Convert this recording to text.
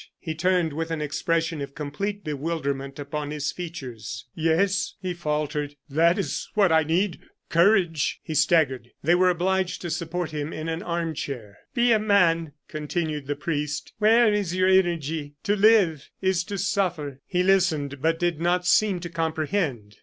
He turned with an expression of complete bewilderment upon his features. "Yes," he faltered, "that is what I need courage!" He staggered; they were obliged to support him to an arm chair. "Be a man," continued the priest; "where is your energy? To live, is to suffer." He listened, but did not seem to comprehend.